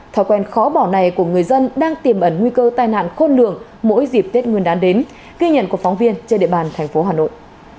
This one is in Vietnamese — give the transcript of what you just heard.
thói quen khó bỏ này của người dân đang tiềm ẩn nguy cơ tai nạn khôn lường mỗi dịp tết nguyên đán đến ghi nhận của phóng viên trên địa bàn thành phố hà nội